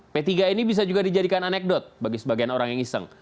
p tiga ini bisa juga dijadikan anekdot bagi sebagian orang yang iseng